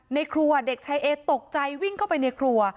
ในครัวเด็กชายเอตกใจวิ่งเข้าไปในครัว